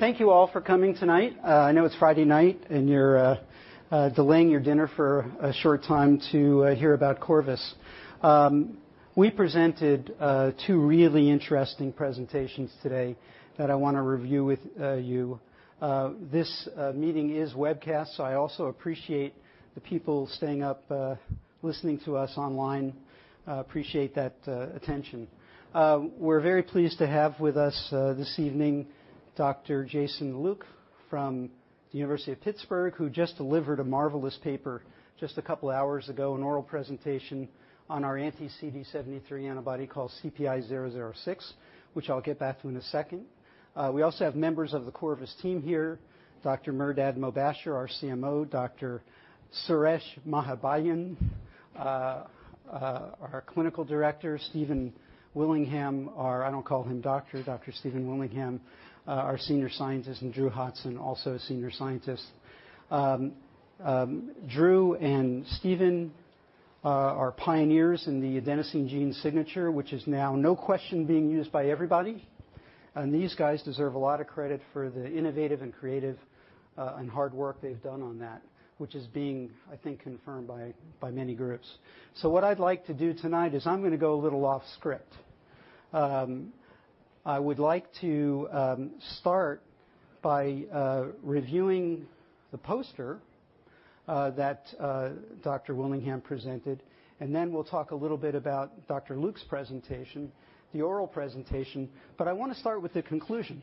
Thank you all for coming tonight. I know it's Friday night and you're delaying your dinner for a short time to hear about Corvus. We presented two really interesting presentations today that I want to review with you. This meeting is webcast. I also appreciate the people staying up, listening to us online. Appreciate that attention. We're very pleased to have with us this evening Dr. Jason Luke from the University of Pittsburgh, who just delivered a marvelous paper just a couple of hours ago, an oral presentation on our anti-CD73 antibody called CPI-006, which I'll get back to in a second. We also have members of the Corvus team here, Dr. Mehrdad Mobasher, our CMO, Dr. Suresh Mahabhashyam, our clinical director, Dr. Stephen Willingham, our senior scientist, and Drew Hotson, also a senior scientist. Drew and Stephen are pioneers in the Adenosine Gene Signature, which is now, no question, being used by everybody. These guys deserve a lot of credit for the innovative and creative and hard work they've done on that, which is being, I think, confirmed by many groups. What I'd like to do tonight is I'm going to go a little off script. I would like to start by reviewing the poster that Dr. Willingham presented, and then we'll talk a little bit about Dr. Luke's presentation, the oral presentation. I want to start with the conclusion.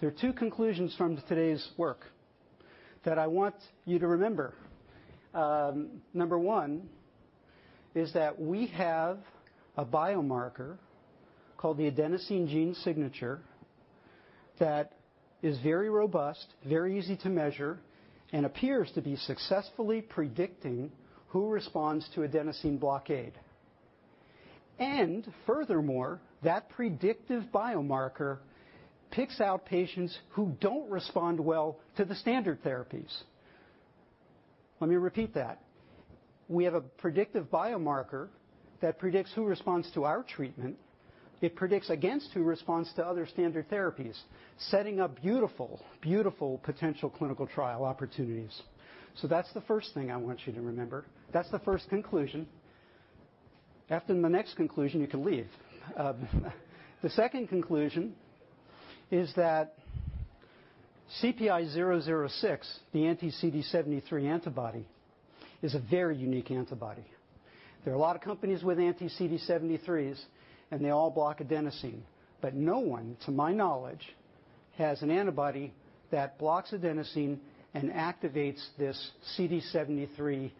There are two conclusions from today's work that I want you to remember. Number one is that we have a biomarker called the Adenosine Gene Signature that is very robust, very easy to measure, and appears to be successfully predicting who responds to adenosine blockade. Furthermore, that predictive biomarker picks out patients who don't respond well to the standard therapies. Let me repeat that. We have a predictive biomarker that predicts who responds to our treatment. It predicts against who responds to other standard therapies, setting up beautiful potential clinical trial opportunities. That's the first thing I want you to remember. That's the first conclusion. After the next conclusion, you can leave. The second conclusion is that CPI-006, the anti-CD73 antibody, is a very unique antibody. There are a lot of companies with anti-CD73s, and they all block adenosine. No one, to my knowledge, has an antibody that blocks adenosine and activates this CD73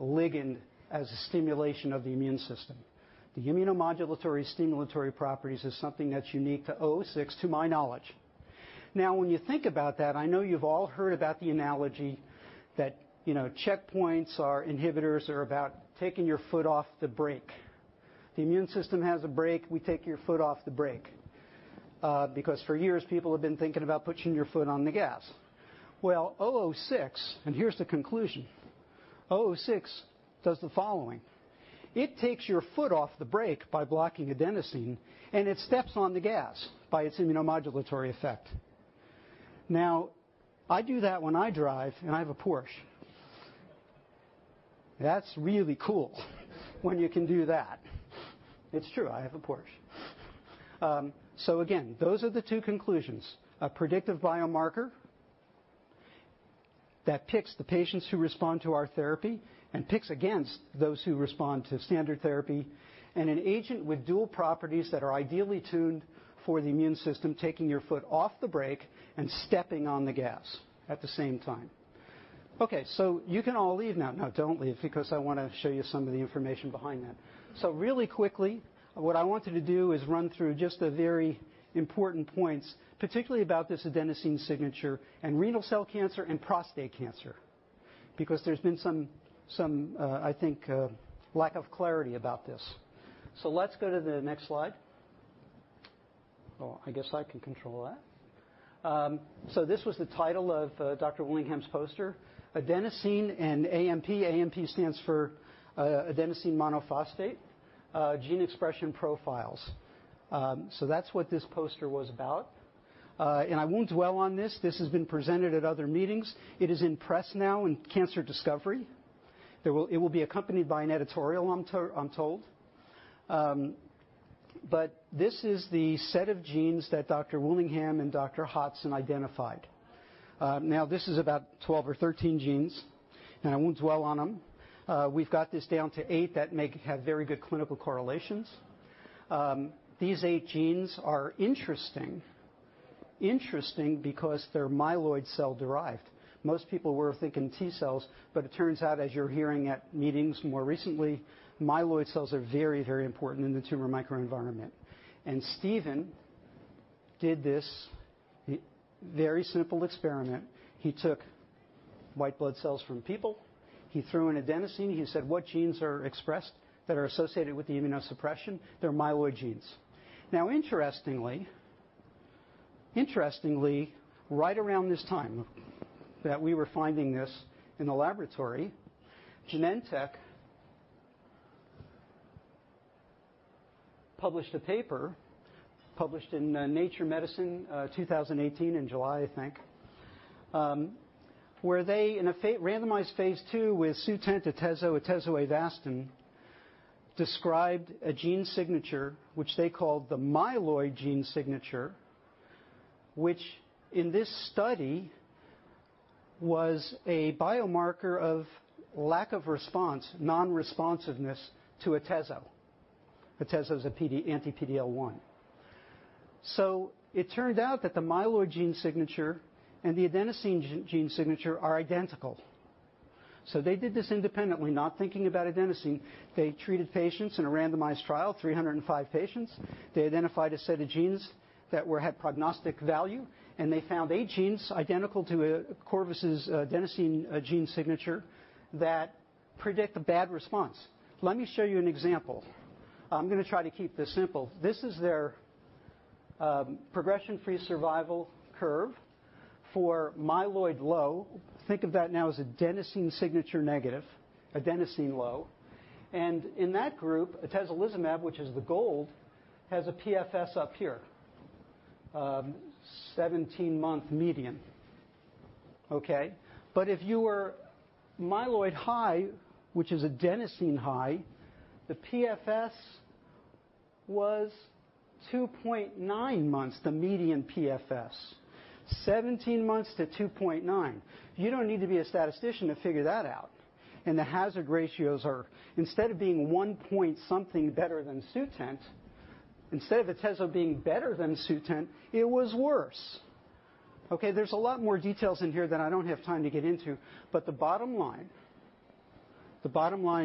ligand as a stimulation of the immune system. The immunomodulatory stimulatory properties is something that's unique to 006, to my knowledge. When you think about that, I know you've all heard about the analogy that checkpoints or inhibitors are about taking your foot off the brake. The immune system has a brake. We take your foot off the brake. For years, people have been thinking about putting your foot on the gas. 006, and here's the conclusion, 006 does the following. It takes your foot off the brake by blocking adenosine, and it steps on the gas by its immunomodulatory effect. I do that when I drive, and I have a Porsche. That's really cool when you can do that. It's true. I have a Porsche. Again, those are the two conclusions, a predictive biomarker that picks the patients who respond to our therapy and picks against those who respond to standard therapy, and an agent with dual properties that are ideally tuned for the immune system, taking your foot off the brake and stepping on the gas at the same time. You can all leave now. No, don't leave because I want to show you some of the information behind that. Really quickly, what I wanted to do is run through just the very important points, particularly about this Adenosine signature and renal cell cancer and prostate cancer, because there's been some, I think, lack of clarity about this. Let's go to the next slide. Oh, I guess I can control that. This was the title of Dr. Willingham's poster, Adenosine and AMP stands for adenosine monophosphate, Gene Expression Profiles. That's what this poster was about. I won't dwell on this. This has been presented at other meetings. It is in press now in Cancer Discovery. It will be accompanied by an editorial, I'm told. This is the set of genes that Dr. Stephen Willingham and Dr. Drew Hotson identified. Now, this is about 12 or 13 genes, and I won't dwell on them. We've got this down to eight that have very good clinical correlations. These eight genes are interesting. Interesting because they're myeloid cell-derived. Most people were thinking T cells, but it turns out, as you're hearing at meetings more recently, myeloid cells are very important in the tumor microenvironment. Stephen did this very simple experiment. He took white blood cells from people. He threw in adenosine. He said, "What genes are expressed that are associated with the immunosuppression?" They're myeloid genes. Now, interestingly, right around this time that we were finding this in the laboratory, Genentech published a paper, published in Nature Medicine 2018 in July, I think, where they, in a randomized phase II with SUTENT, atezolizumab, atezoli, Avastin, described a gene signature which they called the myeloid gene signature, which in this study was a biomarker of lack of response, non-responsiveness to atezolizumab. atezolizumab is an anti-PD-L1. It turned out that the myeloid gene signature and the Adenosine Gene Signature are identical. They did this independently, not thinking about adenosine. They treated patients in a randomized trial, 305 patients. They identified a set of genes that had prognostic value, and they found eight genes identical to Corvus' Adenosine Gene Signature that predict a bad response. Let me show you an example. I'm going to try to keep this simple. This is their progression-free survival curve for myeloid low. Think of that now as Adenosine Signature negative, adenosine low. In that group, atezolizumab, which is the gold, has a PFS up here, 17-month median. Okay. If you were myeloid high, which is adenosine high, the PFS was 2.9 months, the median PFS. 17 months to 2.9. You don't need to be a statistician to figure that out. The hazard ratios are, instead of being one point something better than SUTENT, instead of atezolizumab being better than SUTENT, it was worse. Okay. There's a lot more details in here that I don't have time to get into. The bottom line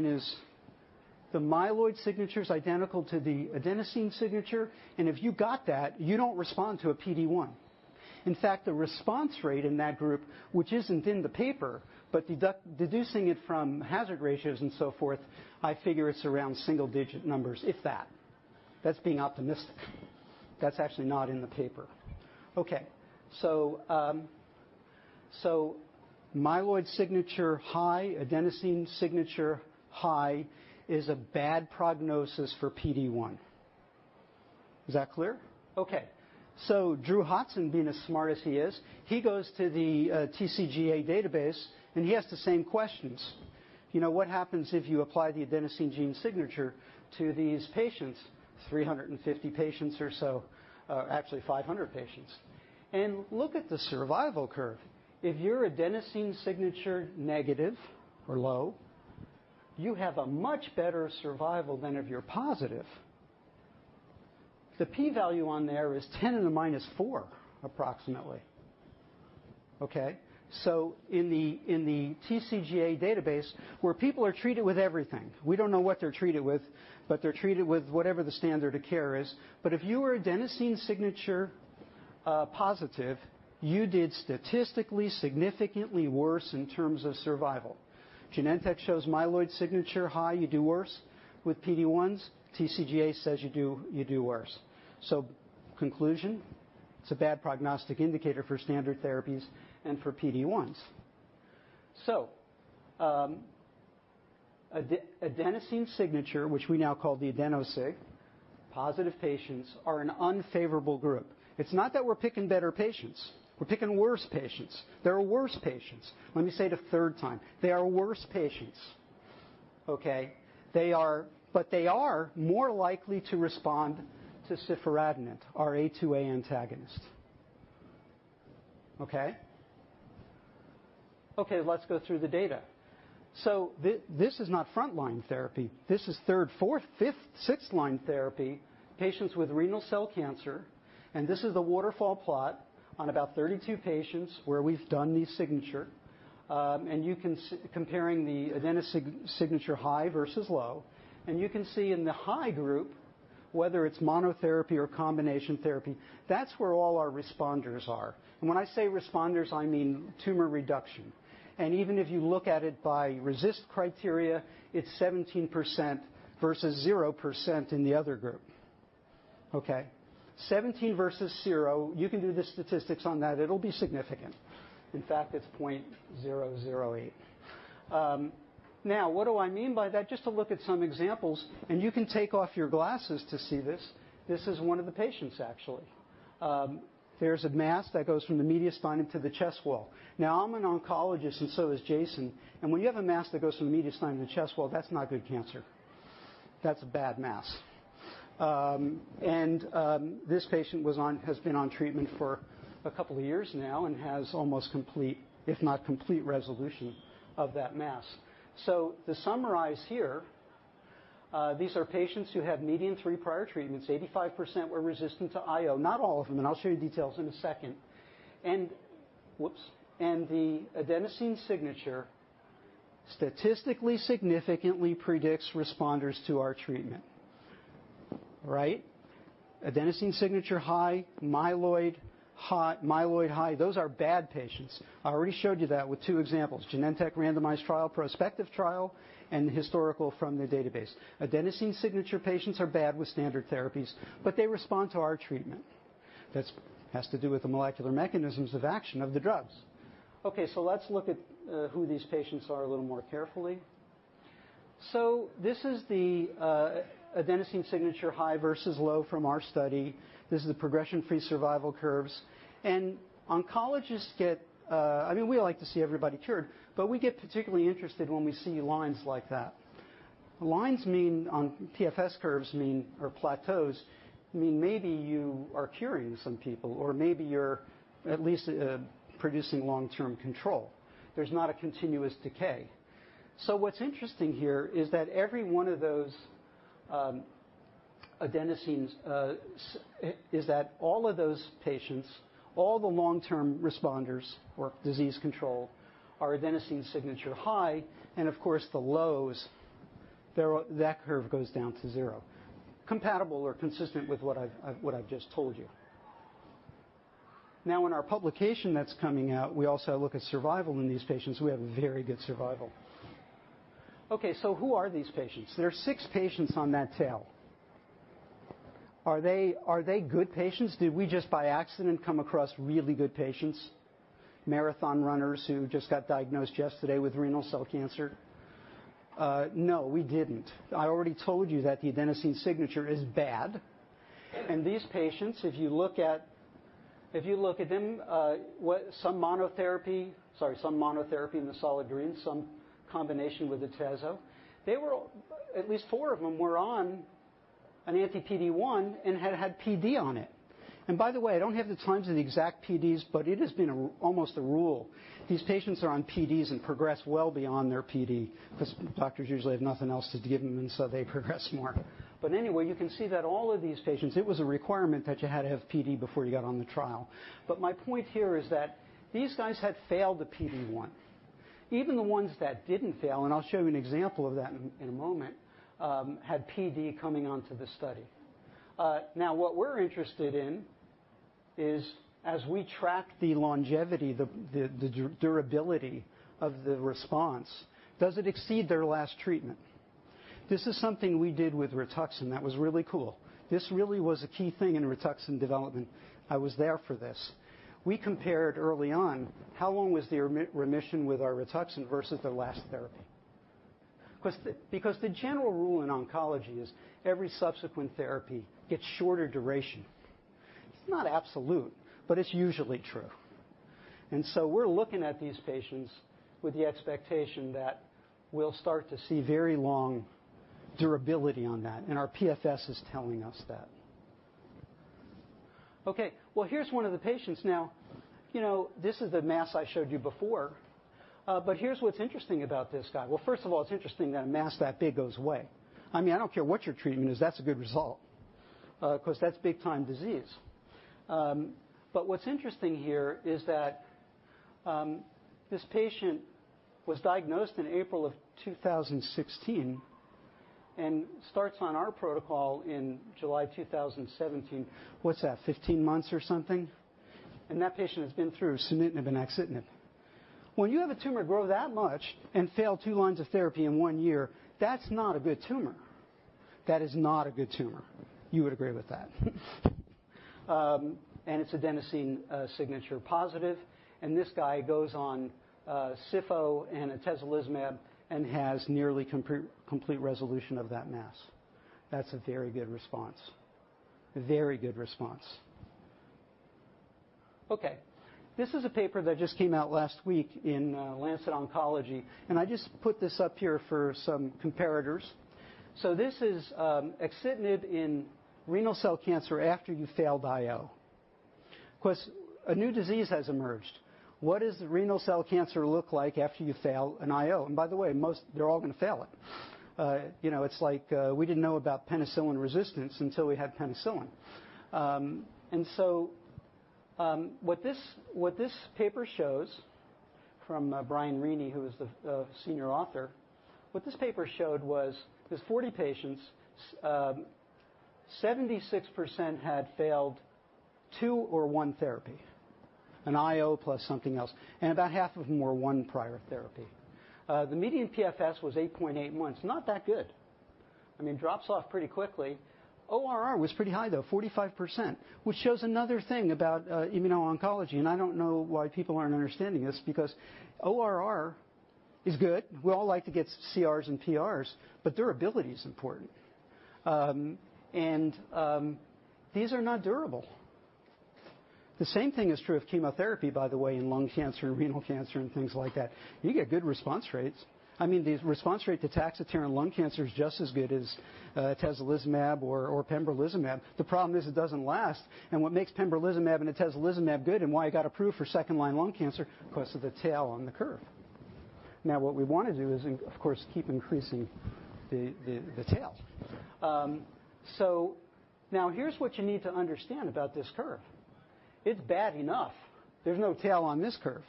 is the myeloid signature is identical to the Adenosine Signature. If you got that, you don't respond to a PD-1. In fact, the response rate in that group, which isn't in the paper, but deducing it from hazard ratios and so forth, I figure it's around single-digit numbers, if that. That's being optimistic. That's actually not in the paper. myeloid gene signature high, Adenosine Gene Signature high is a bad prognosis for PD-1. Is that clear? Drew Hotson being as smart as he is, he goes to the TCGA database, and he asks the same questions. What happens if you apply the Adenosine Gene Signature to these patients, 350 patients or so, actually 500 patients. Look at the survival curve. If you're Adenosine Gene Signature negative or low, you have a much better survival than if you're positive. The P value on there is 10 to the minus 4, approximately. In the TCGA database, where people are treated with everything, we don't know what they're treated with, but they're treated with whatever the standard of care is. If you were Adenosine Signature positive, you did statistically significantly worse in terms of survival. Genentech shows Myeloid Signature high, you do worse with PD-1s. TCGA says you do worse. Conclusion, it's a bad prognostic indicator for standard therapies and for PD-1s. Adenosine Signature, which we now call the AdenoSig, positive patients are an unfavorable group. It's not that we're picking better patients. We're picking worse patients. They are worse patients. Let me say it a third time. They are worse patients. Okay. They are more likely to respond to ciforadenant, our A2A antagonist. Okay. Let's go through the data. This is not frontline therapy. This is third, fourth, fifth, sixth-line therapy, patients with renal cell cancer. This is a waterfall plot on about 32 patients where we've done the signature, comparing the Adenosine Gene Signature high versus low. You can see in the high group, whether it's monotherapy or combination therapy, that's where all our responders are. When I say responders, I mean tumor reduction. Even if you look at it by RECIST criteria, it's 17% versus 0% in the other group. Okay? Seventeen versus zero, you can do the statistics on that. It'll be significant. In fact, it's 0.008. What do I mean by that? Just to look at some examples, you can take off your glasses to see this. This is one of the patients, actually. There's a mass that goes from the mediastinum to the chest wall. I'm an oncologist, and so is Jason. When you have a mass that goes from the mediastinum to the chest wall, that's not good cancer. That's a bad mass. This patient has been on treatment for a couple of years now and has almost complete, if not complete resolution of that mass. To summarize here, these are patients who have median three prior treatments. 85% were resistant to IO, not all of them, and I'll show you details in a second. The Adenosine Signature statistically significantly predicts responders to our treatment. Right? Adenosine Signature high, Myeloid high, those are bad patients. I already showed you that with two examples, Genentech randomized trial, prospective trial, and historical from the database. Adenosine Signature patients are bad with standard therapies, but they respond to our treatment. That has to do with the molecular mechanisms of action of the drugs. Let's look at who these patients are a little more carefully. This is the Adenosine Signature high versus low from our study. This is the progression-free survival curves. We like to see everybody cured, but we get particularly interested when we see lines like that. Lines on PFS curves or plateaus mean maybe you are curing some people or maybe you're at least producing long-term control. There's not a continuous decay. What's interesting here is that all of those patients, all the long-term responders or disease control are Adenosine Signature high, and of course, the lows, that curve goes down to zero. Compatible or consistent with what I've just told you. In our publication that's coming out, we also look at survival in these patients. We have very good survival. Who are these patients? There are six patients on that tail. Are they good patients? Did we just by accident come across really good patients? Marathon runners who just got diagnosed yesterday with renal cell cancer? No, we didn't. I already told you that the Adenosine signature is bad, these patients, if you look at them, some monotherapy in the solid green, some combination with atezo. At least four of them were on an anti-PD-1 and had PD on it. By the way, I don't have the times of the exact PDs, it has been almost a rule. These patients are on PDs and progress well beyond their PD because doctors usually have nothing else to give them, they progress more. Anyway, you can see that all of these patients, it was a requirement that you had to have PD before you got on the trial. My point here is that these guys had failed the PD-1. Even the ones that didn't fail, and I'll show you an example of that in a moment, had PD coming onto the study. What we're interested in is, as we track the longevity, the durability of the response, does it exceed their last treatment? This is something we did with Rituxan that was really cool. This really was a key thing in Rituxan development. I was there for this. We compared early on how long was the remission with our Rituxan versus their last therapy. The general rule in oncology is every subsequent therapy gets shorter duration. It's not absolute, but it's usually true. We're looking at these patients with the expectation that we'll start to see very long durability on that, and our PFS is telling us that. Okay. Well, here's one of the patients now. This is the mass I showed you before, but here's what's interesting about this guy. Well, first of all, it's interesting that a mass that big goes away. I don't care what your treatment is, that's a good result. That's big-time disease. What's interesting here is that this patient was diagnosed in April of 2016 and starts on our protocol in July 2017. What's that, 15 months or something? That patient has been through sunitinib and axitinib. When you have a tumor grow that much and fail two lines of therapy in one year, that's not a good tumor. That is not a good tumor. You would agree with that. It's Adenosine Gene Signature positive, and this guy goes on ciforadenant and atezolizumab and has nearly complete resolution of that mass. That's a very good response. A very good response. Okay. This is a paper that just came out last week in The Lancet Oncology, and I just put this up here for some comparators. This is axitinib in renal cell cancer after you've failed IO. A new disease has emerged. What does renal cell cancer look like after you fail an IO? By the way, they're all going to fail it. It's like we didn't know about penicillin resistance until we had penicillin. What this paper showed from Brian Rini, who was the senior author, was this 40 patients, 76% had failed two or one therapy, an IO plus something else, and about half of them were one prior therapy. The median PFS was 8.8 months. Not that good. It drops off pretty quickly. ORR was pretty high, though, 45%, which shows another thing about immuno-oncology, and I don't know why people aren't understanding this because ORR is good. We all like to get CRs and PRs, but durability's important. These are not durable. The same thing is true of chemotherapy, by the way, in lung cancer, renal cancer, and things like that. You get good response rates. The response rate to TAXOTERE in lung cancer is just as good as atezolizumab or pembrolizumab. The problem is it doesn't last, and what makes pembrolizumab and atezolizumab good and why it got approved for second-line lung cancer, because of the tail on the curve. Now, what we want to do is, of course, keep increasing the tail. Now here's what you need to understand about this curve. It's bad enough. There's no tail on this curve.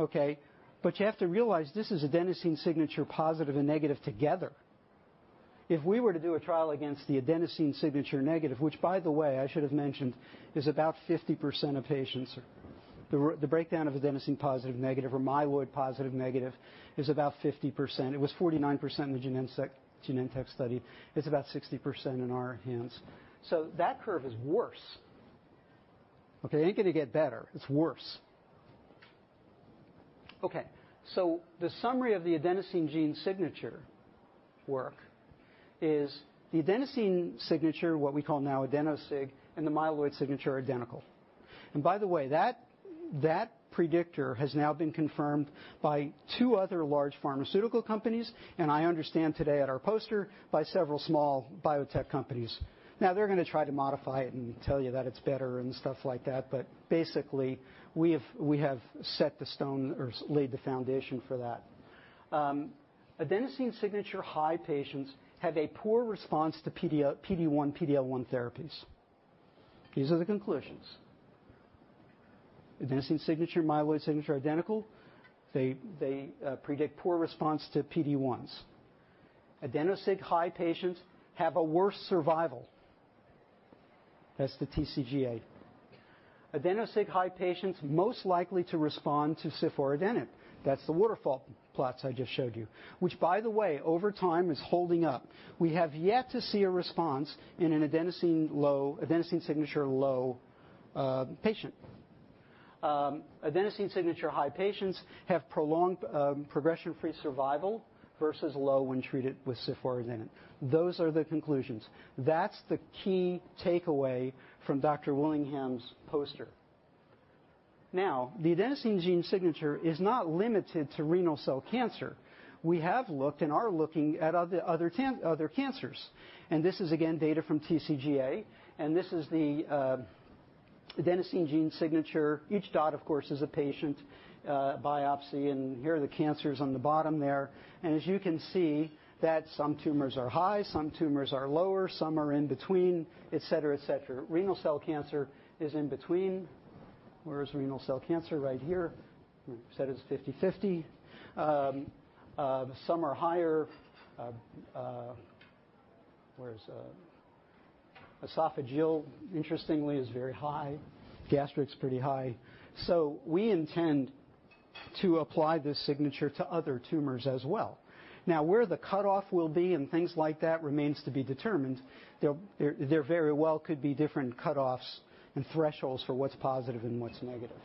Okay? You have to realize this is adenosine signature positive and negative together. If we were to do a trial against the adenosine signature negative, which, by the way, I should have mentioned, is about 50% of patients. The breakdown of adenosine positive, negative, or myeloid positive, negative is about 50%. It was 49% in the Genentech study. It's about 60% in our hands. That curve is worse. Okay? It ain't going to get better. It's worse. Okay. The summary of the adenosine gene signature work is the adenosine signature, what we call now AdenoSig, and the myeloid signature are identical. By the way, that predictor has now been confirmed by two other large pharmaceutical companies, and I understand today at our poster, by several small biotech companies. They're going to try to modify it and tell you that it's better and stuff like that, but basically, we have laid the foundation for that. Adenosine Gene Signature high patients have a poor response to PD-1, PD-L1 therapies. These are the conclusions. Adenosine Gene Signature and myeloid gene signature are identical. They predict poor response to PD-1s. AdenoSig high patients have a worse survival. That's the TCGA. AdenoSig high patients most likely to respond to ciforadenant. That's the waterfall plots I just showed you, which by the way, over time is holding up. We have yet to see a response in an Adenosine Gene Signature low patient. Adenosine Gene Signature high patients have prolonged progression-free survival versus low when treated with ciforadenant. Those are the conclusions. That's the key takeaway from Dr. Willingham's poster. The Adenosine Gene Signature is not limited to renal cell cancer. We have looked and are looking at other cancers. This is again, data from TCGA, and this is the Adenosine Gene Signature. Each dot, of course, is a patient biopsy. Here are the cancers on the bottom there. As you can see that some tumors are high, some tumors are lower, some are in between, et cetera. Renal cell cancer is in between. Where is renal cell cancer? Right here. Said it's 50/50. Some are higher. Where is esophageal, interestingly, is very high. Gastric's pretty high. We intend to apply this signature to other tumors as well. Now, where the cutoff will be and things like that remains to be determined. There very well could be different cutoffs and thresholds for what's positive and what's negative,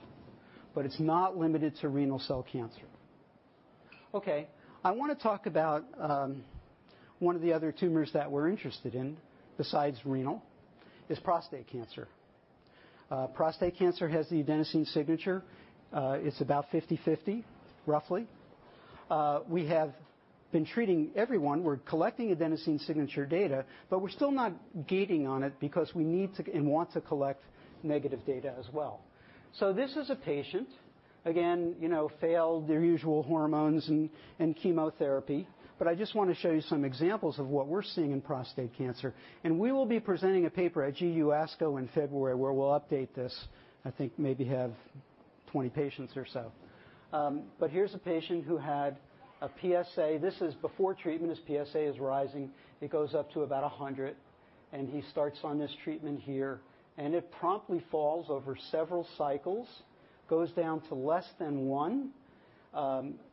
but it's not limited to renal cell cancer. Okay. I want to talk about one of the other tumors that we're interested in besides renal, is prostate cancer. Prostate cancer has the Adenosine Signature. It's about 50/50, roughly. We have been treating everyone. We're collecting Adenosine Signature data, we're still not gating on it because we need to and want to collect negative data as well. This is a patient, again, failed their usual hormones and chemotherapy. I just want to show you some examples of what we're seeing in prostate cancer, and we will be presenting a paper at GU ASCO in February where we'll update this, I think maybe have 20 patients or so. Here's a patient who had a PSA. This is before treatment. His PSA is rising. It goes up to about 100. He starts on this treatment here. It promptly falls over several cycles, goes down to less than one.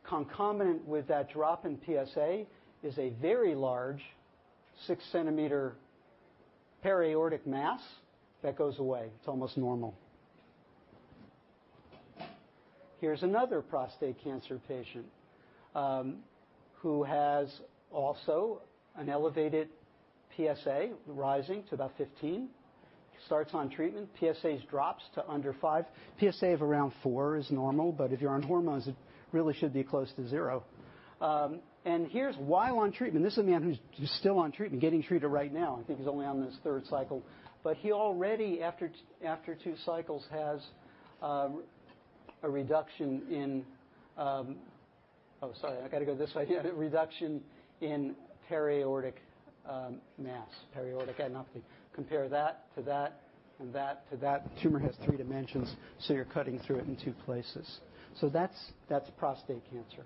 Concomitant with that drop in PSA is a very large 6-centimeter peri-aortic mass that goes away. It's almost normal. Here's another prostate cancer patient who has also an elevated PSA rising to about 15. He starts on treatment. PSA drops to under five. PSA of around four is normal, if you're on hormones, it really should be close to zero. Here's while on treatment, this is a man who's still on treatment, getting treated right now. I think he's only on his third cycle, he already, after two cycles, has, Oh, sorry, I got to go this way, a reduction in peri-aortic mass, peri-aortic adenopathy. Compare that to that and that to that. Tumor has three dimensions, so you're cutting through it in two places. That's prostate cancer.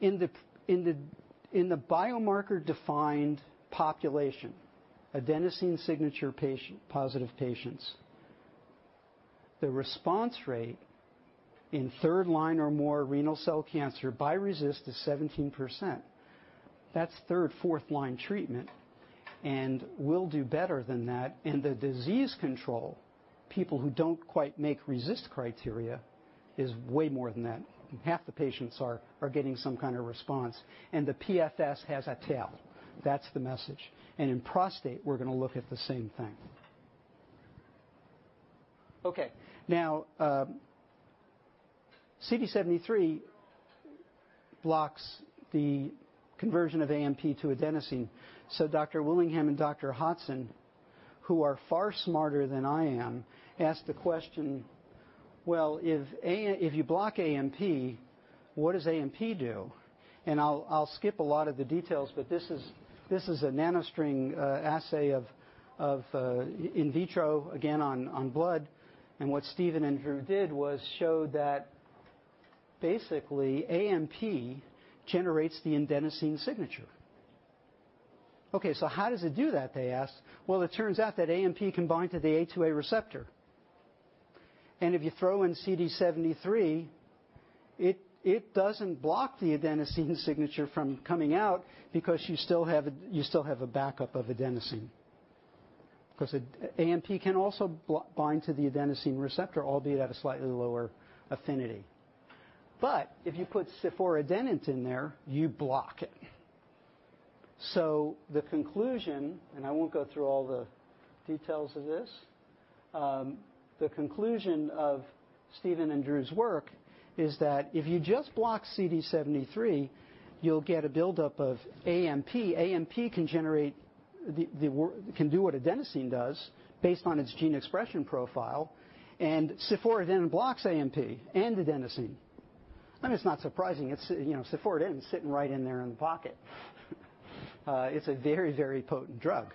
In the biomarker-defined population, Adenosine Gene Signature positive patients, the response rate in third-line or more renal cell cancer by RECIST is 17%. That's third, fourth-line treatment, and we'll do better than that in the disease control. People who don't quite make RECIST criteria is way more than that. Half the patients are getting some kind of response, and the PFS has a tail. That's the message. In prostate, we're going to look at the same thing. Okay. CD73 blocks the conversion of AMP to adenosine. Dr. Willingham and Dr. Hotson, who are far smarter than I am, asked the question, well, if you block AMP, what does AMP do? I'll skip a lot of the details, but this is a NanoString assay of in vitro, again, on blood. What Stephen and Drew did was show that basically AMP generates the Adenosine Signature. How does it do that, they asked. It turns out that AMP can bind to the A2A receptor. If you throw in CD73, it doesn't block the Adenosine Signature from coming out because you still have a backup of adenosine. Because AMP can also bind to the adenosine receptor, albeit at a slightly lower affinity. If you put ciforadenant in there, you block it. The conclusion, and I won't go through all the details of this, the conclusion of Stephen and Drew's work is that if you just block CD73, you'll get a buildup of AMP. AMP can do what adenosine does based on its gene expression profile, and ciforadenant blocks AMP and adenosine. It's not surprising. Ciforadenant is sitting right in there in the pocket. It's a very, very potent drug.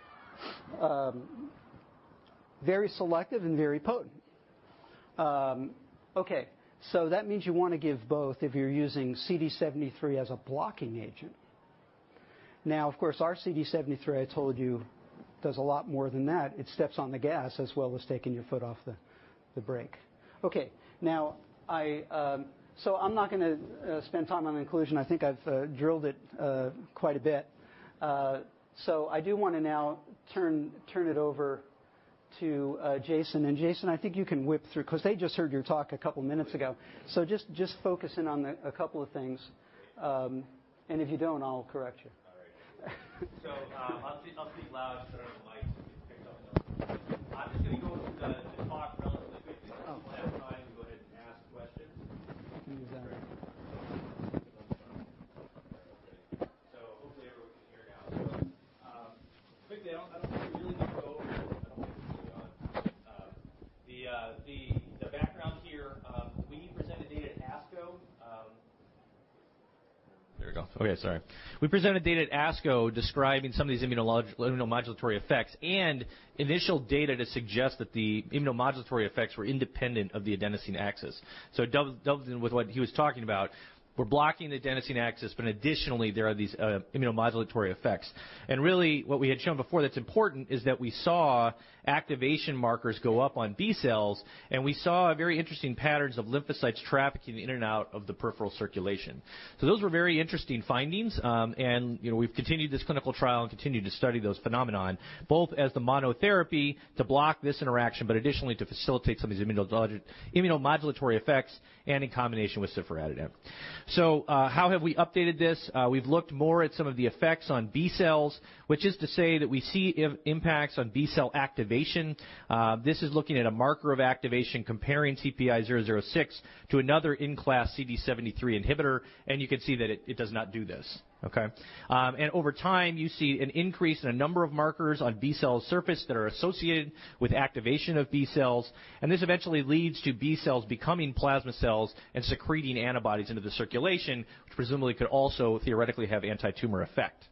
Very selective and very potent. Okay. That means you want to give both if you're using CD73 as a blocking agent. Of course, our CD73, I told you, does a lot more than that. It steps on the gas as well as taking your foot off the brake. Okay. I'm not going to spend time on the conclusion. I think I've drilled it quite a bit. I do want to now turn it over to Jason. Jason, I think you can whip through, because they just heard your talk a couple of minutes ago. Just focus in on a couple of things, and if you don't, I'll correct you. All right. I'll speak loud, turn on the mic so it picks up. I'm just going to go through the talk relatively quickly because we want to have time to go ahead and ask questions. Exactly. Hopefully everyone can hear me now. Quick, I don't want to really go over the background here. We presented data at ASCO. There we go. Okay, sorry. We presented data at ASCO describing some of these immunomodulatory effects and initial data to suggest that the immunomodulatory effects were independent of the adenosine axis. It dovetails in with what he was talking about. We're blocking the adenosine axis, but additionally, there are these immunomodulatory effects. Really, what we had shown before that's important is that we saw activation markers go up on B cells, and we saw very interesting patterns of lymphocytes trafficking in and out of the peripheral circulation. Those were very interesting findings, and we've continued this clinical trial and continued to study those phenomenon, both as the monotherapy to block this interaction, but additionally to facilitate some of these immunomodulatory effects and in combination with ciforadenant. How have we updated this? We've looked more at some of the effects on B cells, which is to say that we see impacts on B-cell activation. This is looking at a marker of activation comparing CPI-006 to another in-class CD73 inhibitor, and you can see that it does not do this. Okay? Over time, you see an increase in a number of markers on B-cell surface that are associated with activation of B cells, and this eventually leads to B cells becoming plasma cells and secreting antibodies into the circulation, which presumably could also theoretically have anti-tumor effect.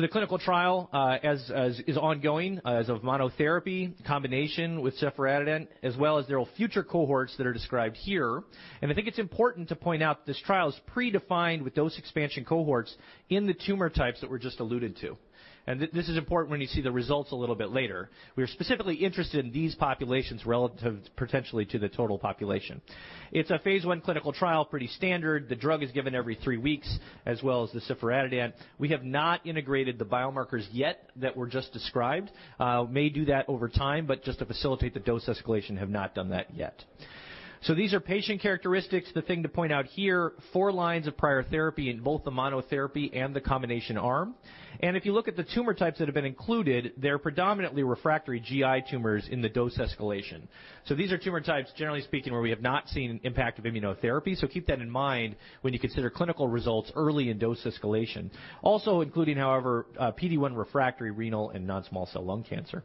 The clinical trial is ongoing as of monotherapy, combination with ciforadenant, as well as there are future cohorts that are described here. I think it's important to point out this trial is predefined with those expansion cohorts in the tumor types that were just alluded to. This is important when you see the results a little bit later. We are specifically interested in these populations relative, potentially, to the total population. It's a phase I clinical trial, pretty standard. The drug is given every three weeks, as well as the ciforadenant. We have not integrated the biomarkers yet that were just described. May do that over time, but just to facilitate the dose escalation, have not done that yet. These are patient characteristics. The thing to point out here, four lines of prior therapy in both the monotherapy and the combination arm. If you look at the tumor types that have been included, they're predominantly refractory GI tumors in the dose escalation. These are tumor types, generally speaking, where we have not seen impact of immunotherapy, so keep that in mind when you consider clinical results early in dose escalation. Including, however, PD-1 refractory renal and non-small cell lung cancer.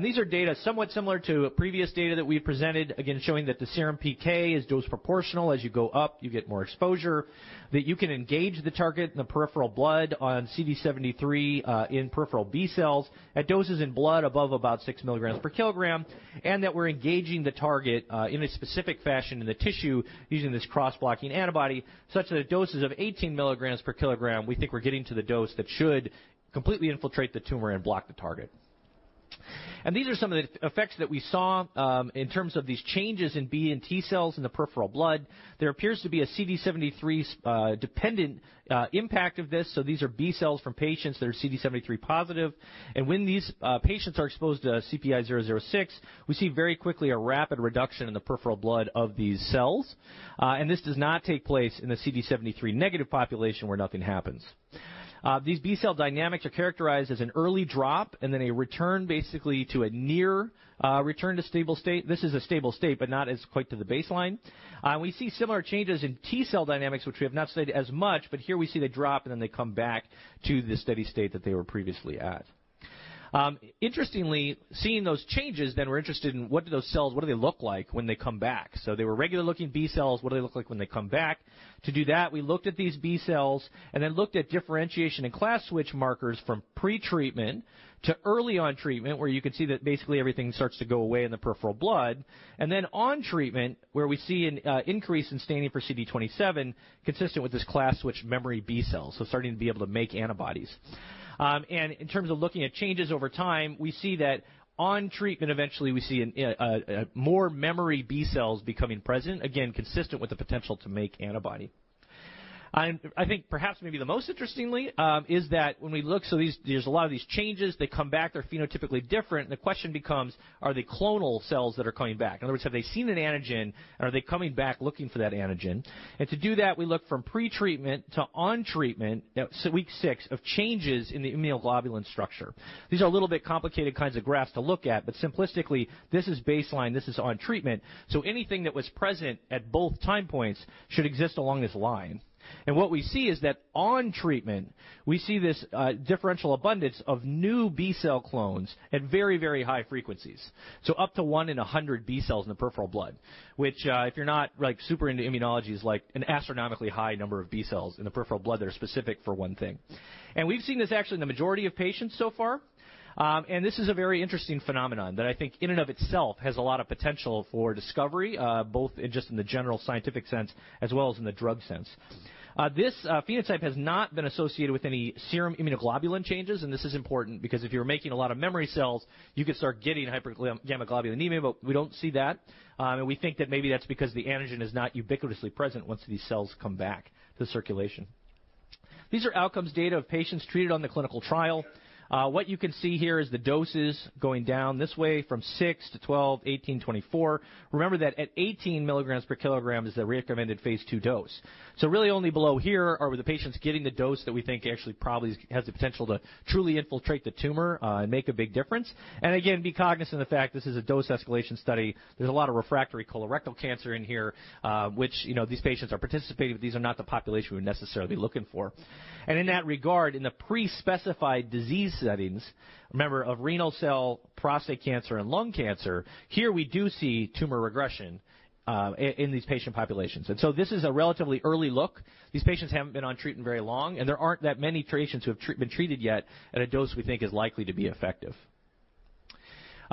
These are data somewhat similar to previous data that we've presented, again, showing that the serum PK is dose proportional. As you go up, you get more exposure, that you can engage the target in the peripheral blood on CD73 in peripheral B cells at doses in blood above about six milligrams per kilogram, and that we're engaging the target in a specific fashion in the tissue using this cross-blocking antibody, such that at doses of 18 milligrams per kilogram, we think we're getting to the dose that should completely infiltrate the tumor and block the target. These are some of the effects that we saw in terms of these changes in B and T cells in the peripheral blood. There appears to be a CD73-dependent impact of this. These are B cells from patients that are CD73 positive. When these patients are exposed to CPI-006, we see very quickly a rapid reduction in the peripheral blood of these cells. This does not take place in the CD73 negative population where nothing happens. These B-cell dynamics are characterized as an early drop and then a return, basically to a near return to stable state. This is a stable state, but not as quite to the baseline. We see similar changes in T cell dynamics, which we have not studied as much, but here we see the drop, and then they come back to the steady state that they were previously at. Interestingly, seeing those changes, then we're interested in what do those cells, what do they look like when they come back? They were regular-looking B cells. What do they look like when they come back? To do that, we looked at these B cells and then looked at differentiation in class switch markers from pretreatment to early on treatment, where you can see that basically everything starts to go away in the peripheral blood, and then on treatment, where we see an increase in staining for CD27 consistent with this class switch memory B cell, so starting to be able to make antibodies. In terms of looking at changes over time, we see that on treatment, eventually we see more memory B cells becoming present, again, consistent with the potential to make antibody. I think perhaps maybe the most interestingly is that when we look, so there's a lot of these changes. They come back, they're phenotypically different, and the question becomes, are they clonal cells that are coming back? In other words, have they seen an antigen, and are they coming back looking for that antigen? To do that, we look from pre-treatment to on treatment, so week six, of changes in the immunoglobulin structure. These are a little bit complicated kinds of graphs to look at, but simplistically, this is baseline, this is on treatment. What we see is that on treatment, we see this differential abundance of new B-cell clones at very, very high frequencies. Up to one in 100 B cells in the peripheral blood, which, if you're not super into immunology, is an astronomically high number of B cells in the peripheral blood that are specific for one thing. We've seen this actually in the majority of patients so far. This is a very interesting phenomenon that I think in and of itself has a lot of potential for discovery, both just in the general scientific sense as well as in the drug sense. This phenotype has not been associated with any serum immunoglobulin changes. This is important because if you were making a lot of memory cells, you could start getting hypergammaglobulinemia, but we don't see that. We think that maybe that's because the antigen is not ubiquitously present once these cells come back to the circulation. These are outcomes data of patients treated on the clinical trial. What you can see here is the doses going down this way from six to 12, 18, 24. Remember that at 18 milligrams per kilogram is the recommended phase II dose. Really only below here are the patients getting the dose that we think actually probably has the potential to truly infiltrate the tumor, and make a big difference. Again, be cognizant of the fact this is a dose escalation study. There's a lot of refractory colorectal cancer in here, which these patients are participating, but these are not the population we're necessarily looking for. In that regard, in the pre-specified disease settings, remember of renal cell, prostate cancer and lung cancer, here we do see tumor regression in these patient populations. This is a relatively early look. These patients haven't been on treatment very long, and there aren't that many patients who have been treated yet at a dose we think is likely to be effective.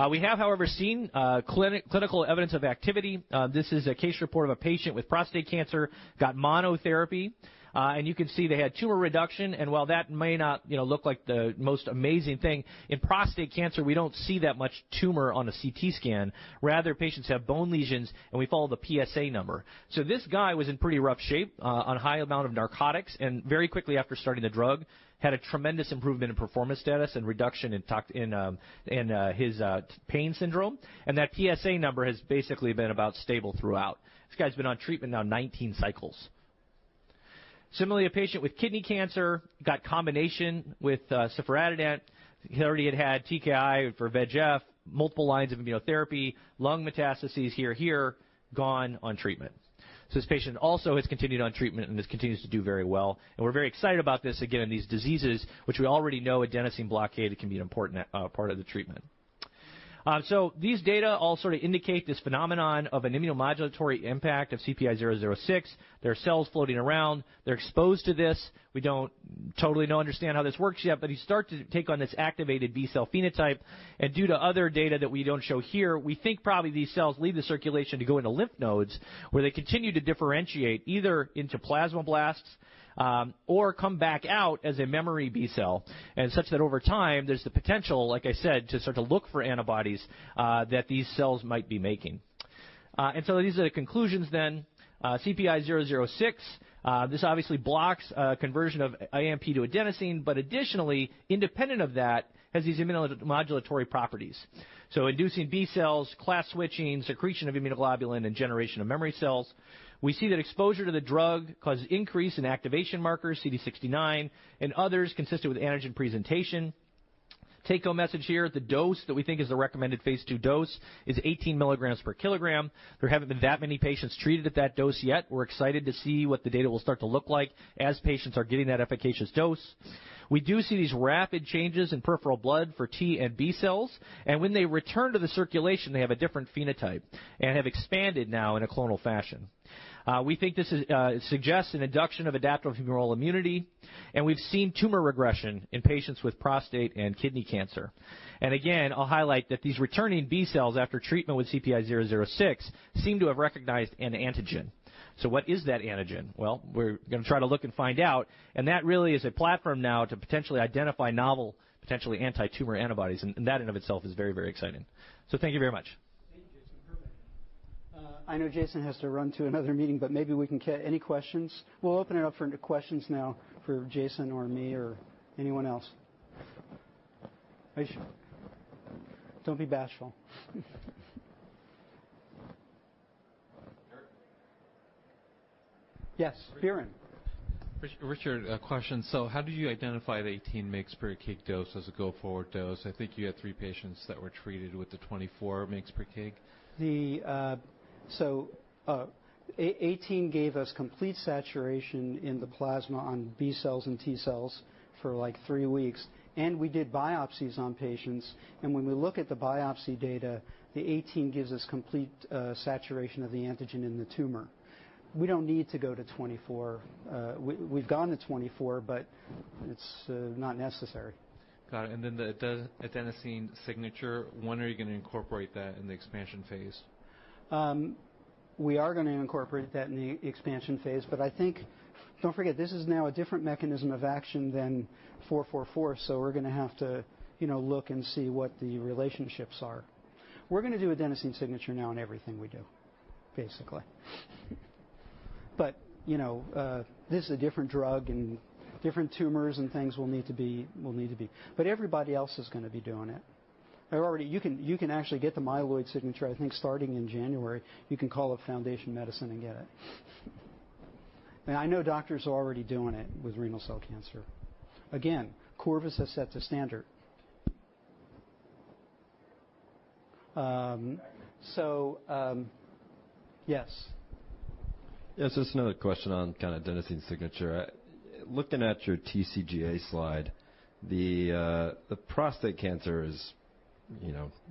We have, however, seen clinical evidence of activity. This is a case report of a patient with prostate cancer, got monotherapy. You can see they had tumor reduction, and while that may not look like the most amazing thing, in prostate cancer, we don't see that much tumor on a CT scan. Rather, patients have bone lesions, and we follow the PSA number. This guy was in pretty rough shape, on a high amount of narcotics, and very quickly after starting the drug, had a tremendous improvement in performance status and reduction in his pain syndrome. That PSA number has basically been about stable throughout. This guy's been on treatment now 19 cycles. Similarly, a patient with kidney cancer got combination with ciforadenant. He already had had TKI for VEGF, multiple lines of immunotherapy, lung metastases here, gone on treatment. This patient also has continued on treatment and just continues to do very well. We're very excited about this, again, in these diseases, which we already know adenosine blockade can be an important part of the treatment. These data all sort of indicate this phenomenon of an immunomodulatory impact of CPI-006. There are cells floating around. They're exposed to this. We totally don't understand how this works yet, but you start to take on this activated B-cell phenotype, and due to other data that we don't show here, we think probably these cells leave the circulation to go into lymph nodes, where they continue to differentiate either into plasmablasts or come back out as a memory B cell, and such that over time, there's the potential, like I said, to start to look for antibodies that these cells might be making. These are the conclusions. CPI-006 obviously blocks conversion of AMP to adenosine, but additionally, independent of that, has these immunomodulatory properties. Inducing B cells, class switching, secretion of immunoglobulin, and generation of memory cells. We see that exposure to the drug causes increase in activation markers, CD69 and others, consistent with antigen presentation. Take-home message here, the dose that we think is the recommended phase II dose is 18 milligrams per kilogram. There haven't been that many patients treated at that dose yet. We're excited to see what the data will start to look like as patients are getting that efficacious dose. We do see these rapid changes in peripheral blood for T and B cells, and when they return to the circulation, they have a different phenotype and have expanded now in a clonal fashion. We think this suggests an induction of adaptive humoral immunity, and we've seen tumor regression in patients with prostate and kidney cancer. Again, I'll highlight that these returning B cells after treatment with CPI-006 seem to have recognized an antigen. What is that antigen? Well, we're going to try to look and find out, and that really is a platform now to potentially identify novel, potentially anti-tumor antibodies, and that in and of itself is very, very exciting. Thank you very much. Thank you, Jason. Perfect. I know Jason has to run to another meeting, but maybe we can get any questions? We'll open it up for questions now for Jason or me or anyone else. Don't be bashful. Viren. Yes, Viren. Richard, a question. How did you identify the 18 mgs per kg dose as a go-forward dose? I think you had three patients that were treated with the 24 mgs per kg. 18 gave us complete saturation in the plasma on B cells and T cells for three weeks. We did biopsies on patients. When we look at the biopsy data, the 18 gives us complete saturation of the antigen in the tumor. We don't need to go to 24. We've gone to 24. It's not necessary. Got it. The Adenosine Gene Signature, when are you going to incorporate that in the expansion phase? We are going to incorporate that in the expansion phase, but I think, don't forget, this is now a different mechanism of action than CPI-444, so we're going to have to look and see what the relationships are. We're going to do Adenosine Signature now on everything we do, basically. This is a different drug, and different tumors and things will need to be. Everybody else is going to be doing it. You can actually get the Myeloid Signature, I think, starting in January. You can call up Foundation Medicine and get it. I know doctors are already doing it with renal cell cancer. Again, Corvus has set the standard. Yes. Yes, just another question on Adenosine Signature. Looking at your TCGA slide, the prostate cancer is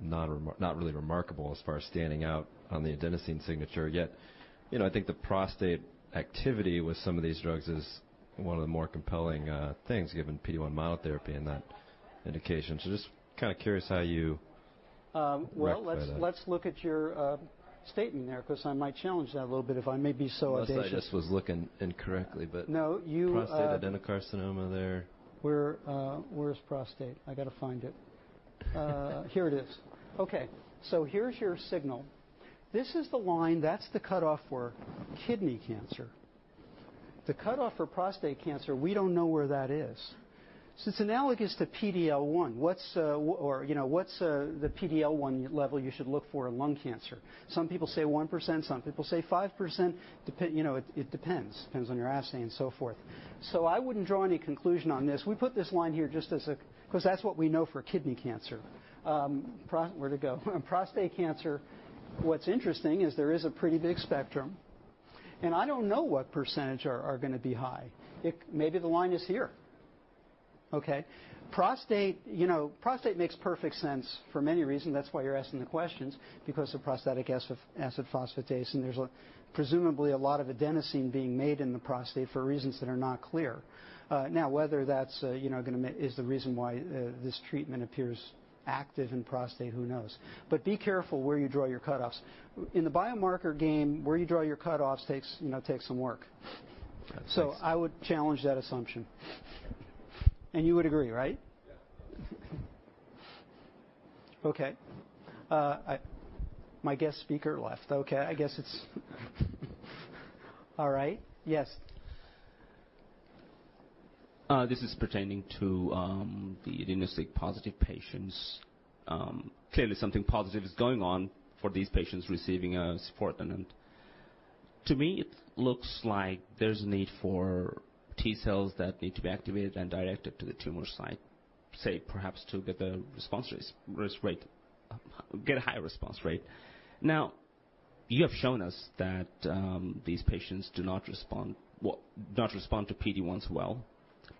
not really remarkable as far as standing out on the Adenosine Signature yet. I think the prostate activity with some of these drugs is one of the more compelling things, given PD-1 monotherapy in that indication. Just curious how you rectify that. Well, let's look at your statement there, because I might challenge that a little bit, if I may be so audacious. Unless I just was looking incorrectly. No. Prostate adenocarcinoma there. Where's prostate? I got to find it. Here it is. Okay. Here's your signal. This is the line. That's the cutoff for kidney cancer. The cutoff for prostate cancer, we don't know where that is. It's analogous to PD-L1. What's the PD-L1 level you should look for in lung cancer? Some people say 1%, some people say 5%. It depends on your assay and so forth. I wouldn't draw any conclusion on this. We put this line here just because that's what we know for kidney cancer. Where'd it go? Prostate cancer, what's interesting is there is a pretty big spectrum, and I don't know what percentage are going to be high. Maybe the line is here. Okay. Prostate makes perfect sense for many reasons. That's why you're asking the questions because of prostatic acid phosphatase, and there's presumably a lot of adenosine being made in the prostate for reasons that are not clear. Now, whether that is the reason why this treatment appears active in prostate, who knows? Be careful where you draw your cutoffs. In the biomarker game, where you draw your cutoffs takes some work. Got it. Thanks. I would challenge that assumption. You would agree, right? Yeah. Okay. My guest speaker left. Okay, I guess it's all right. Yes. This is pertaining to the Adenosine-positive patients. Clearly, something positive is going on for these patients receiving a support, and to me, it looks like there's a need for T cells that need to be activated and directed to the tumor site, say perhaps to get a high response rate. You have shown us that these patients do not respond to PD-1s well,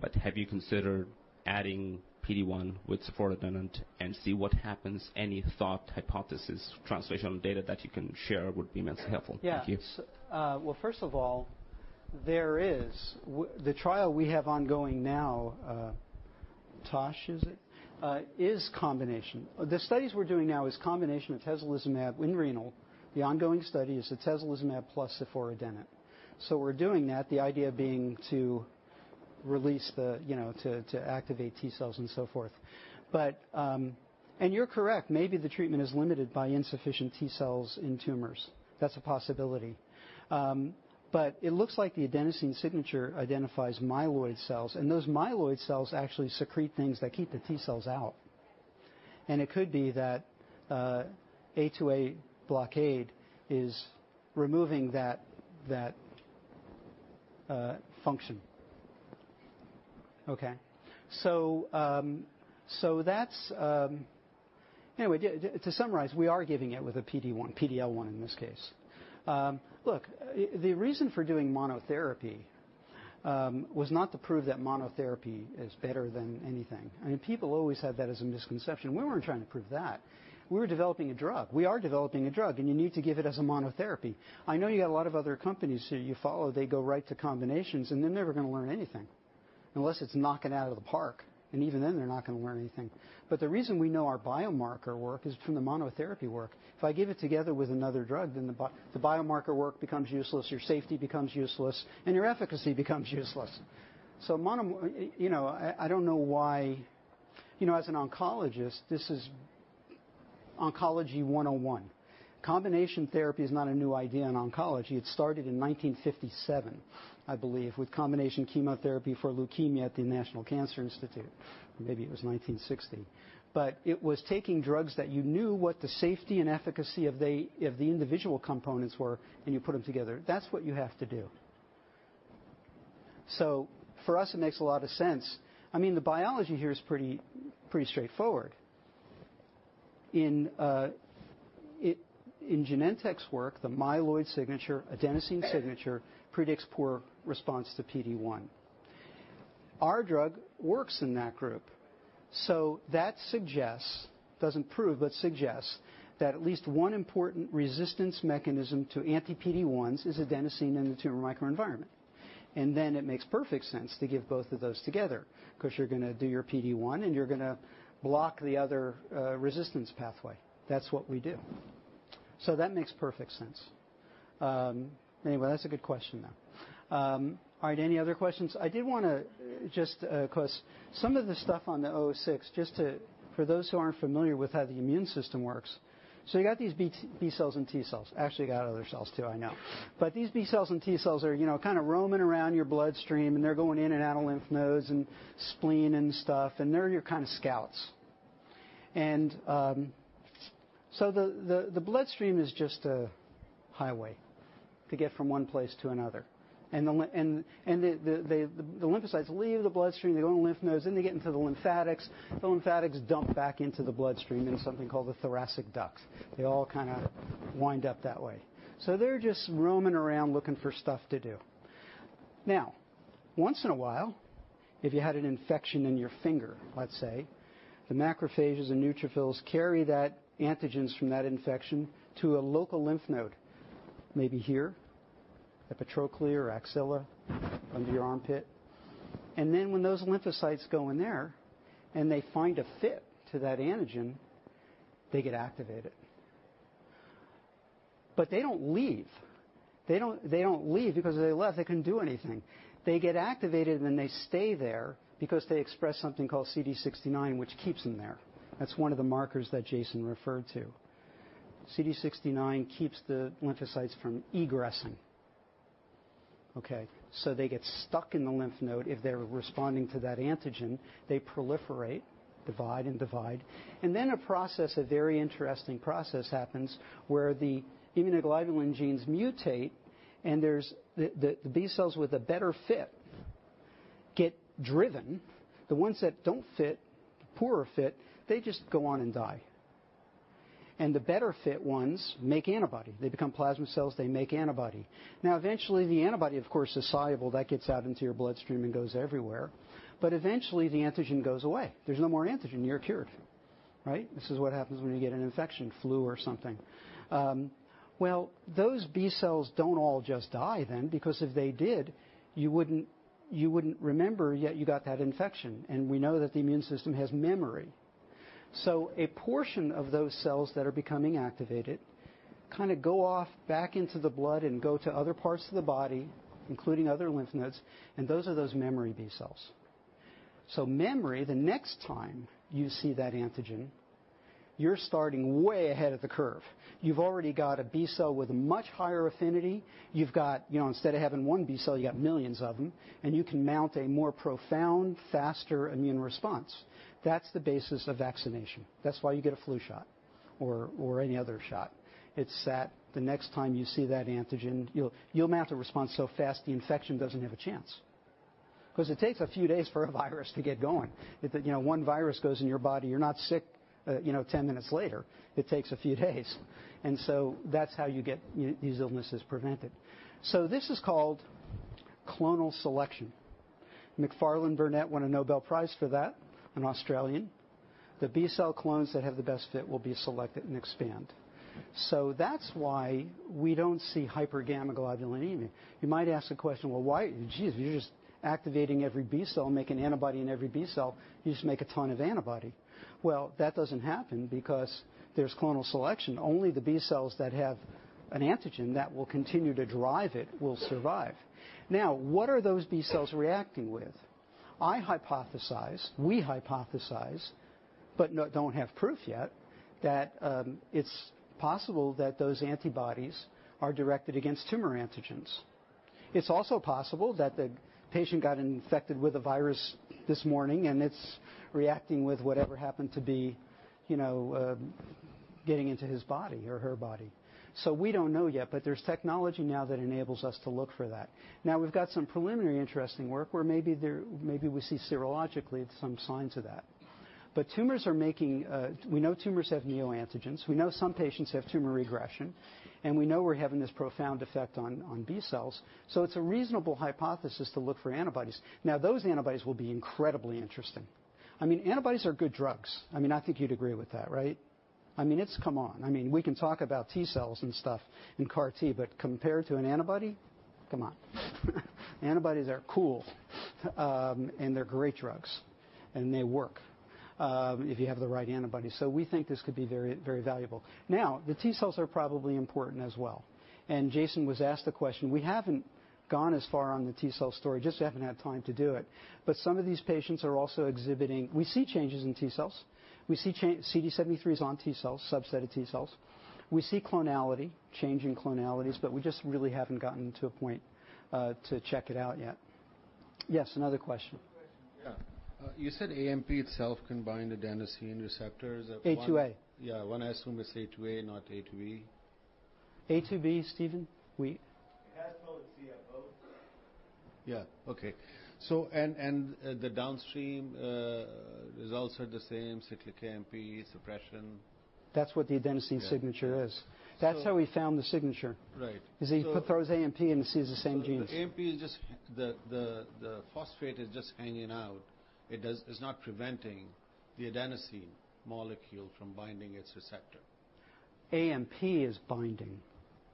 but have you considered adding PD-1 with ciforadenant and see what happens? Any thought, hypothesis, translational data that you can share would be immensely helpful. Thank you. Yeah. Well, first of all, the trial we have ongoing now, Tosh, is it? The studies we're doing now is combination of atezolizumab in renal. The ongoing study is the atezolizumab plus ciforadenant. We're doing that, the idea being to activate T cells and so forth. You're correct, maybe the treatment is limited by insufficient T cells in tumors. That's a possibility. It looks like the Adenosine Gene Signature identifies myeloid cells, and those myeloid cells actually secrete things that keep the T cells out. It could be that A2A blockade is removing that function. Okay. Anyway, to summarize, we are giving it with a PD-L1 in this case. Look, the reason for doing monotherapy was not to prove that monotherapy is better than anything. People always have that as a misconception. We weren't trying to prove that. We were developing a drug. We are developing a drug, and you need to give it as a monotherapy. I know you got a lot of other companies who you follow, they go right to combinations, and they're never going to learn anything, unless it's knocking it out of the park, and even then, they're not going to learn anything. The reason we know our biomarker work is from the monotherapy work. If I give it together with another drug, then the biomarker work becomes useless, your safety becomes useless, and your efficacy becomes useless. I don't know why. As an oncologist, this is Oncology 101. Combination therapy is not a new idea in oncology. It started in 1957, I believe, with combination chemotherapy for leukemia at the National Cancer Institute. Maybe it was 1960. It was taking drugs that you knew what the safety and efficacy of the individual components were, and you put them together. That's what you have to do. For us, it makes a lot of sense. The biology here is pretty straightforward. In Genentech's work, the myeloid gene signature, Adenosine Gene Signature predicts poor response to PD-1. Our drug works in that group. That suggests, doesn't prove, but suggests that at least one important resistance mechanism to anti-PD-1s is adenosine in the tumor microenvironment. It makes perfect sense to give both of those together because you're going to do your PD-1 and you're going to block the other resistance pathway. That's what we do. That makes perfect sense. That's a good question, though. All right, any other questions? I did want to just, of course, some of the stuff on the CPI-006, just for those who aren't familiar with how the immune system works. You got these B cells and T cells. Actually, you got other cells too, I know. These B cells and T cells are kind of roaming around your bloodstream, and they're going in and out of lymph nodes and spleen and stuff, and they're your kind of scouts. The bloodstream is just a highway to get from one place to another. The lymphocytes leave the bloodstream, they go in the lymph nodes, then they get into the lymphatics. The lymphatics dump back into the bloodstream in something called the thoracic duct. They all kind of wind up that way. They're just roaming around looking for stuff to do. Once in a while, if you had an infection in your finger, let's say, the macrophages and neutrophils carry that antigens from that infection to a local lymph node, maybe here, epitrochlear, axilla, under your armpit. When those lymphocytes go in there, and they find a fit to that antigen, they get activated. They don't leave. They don't leave because if they left, they couldn't do anything. They get activated, and then they stay there because they express something called CD69, which keeps them there. That's one of the markers that Jason referred to. CD69 keeps the lymphocytes from egressing. Okay? They get stuck in the lymph node if they're responding to that antigen. They proliferate, divide, and divide. A process, a very interesting process happens where the immunoglobulin genes mutate, and the B cells with a better fit get driven. The ones that don't fit, poorer fit, they just go on and die. The better fit ones make antibody. They become plasma cells. They make antibody. Eventually, the antibody, of course, is soluble. That gets out into your bloodstream and goes everywhere. Eventually, the antigen goes away. There's no more antigen. You're cured, right? This is what happens when you get an infection, flu or something. Those B cells don't all just die then because if they did, you wouldn't remember yet you got that infection. We know that the immune system has memory. A portion of those cells that are becoming activated kind of go off back into the blood and go to other parts of the body, including other lymph nodes, and those are those memory B cells. Memory, the next time you see that antigen, you're starting way ahead of the curve. You've already got a B cell with a much higher affinity. Instead of having one B cell, you got millions of them, and you can mount a more profound, faster immune response. That's the basis of vaccination. That's why you get a flu shot or any other shot. It's that the next time you see that antigen, you'll mount a response so fast the infection doesn't have a chance because it takes a few days for a virus to get going. If one virus goes in your body, you're not sick 10 minutes later. It takes a few days. That's how you get these illnesses prevented. This is called clonal selection. Macfarlane Burnet won a Nobel Prize for that, an Australian. The B cell clones that have the best fit will be selected and expand. That's why we don't see hypergammaglobulinemia. You might ask the question, "Why? Geez, you're just activating every B cell, making antibody in every B cell. You just make a ton of antibody." That doesn't happen because there's clonal selection. Only the B cells that have an antigen that will continue to drive it will survive. What are those B cells reacting with? I hypothesize, we hypothesize, but don't have proof yet, that it's possible that those antibodies are directed against tumor antigens. It's also possible that the patient got infected with a virus this morning, and it's reacting with whatever happened to be getting into his body or her body. We don't know yet, but there's technology now that enables us to look for that. We've got some preliminary interesting work where maybe we see serologically some signs of that. We know tumors have neoantigens. We know some patients have tumor regression, and we know we're having this profound effect on B cells. It's a reasonable hypothesis to look for antibodies. Those antibodies will be incredibly interesting. Antibodies are good drugs. I think you'd agree with that, right? Come on. We can talk about T cells and stuff and CAR T, but compared to an antibody? Come on. Antibodies are cool. They're great drugs, and they work if you have the right antibody. We think this could be very valuable. The T cells are probably important as well. Jason was asked the question. We haven't gone as far on the T cell story, just we haven't had time to do it. We see changes in T cells. We see CD73s on T cells, subset of T cells. We see clonality, change in clonalities, but we just really haven't gotten to a point to check it out yet. Yes, another question. One question. Yeah. You said AMP itself can bind adenosine receptors of one- A2A. Yeah. One I assume is A2A, not A2B. A2B, Stephen? It has both C and both. Yeah. Okay. The downstream results are the same, cyclic AMP suppression. That's what the Adenosine signature is. Yeah. That's how he found the signature. Right. Is he throws AMP in and sees the same genes. The phosphate is just hanging out. It's not preventing the adenosine molecule from binding its receptor. AMP is binding.